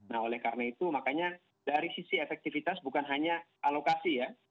nah oleh karena itu makanya dari sisi efektivitas bukan hanya alokasi ya